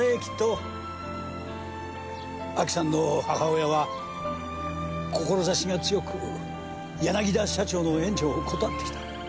アキさんの母親は志が強く柳田社長の援助を断ってきた。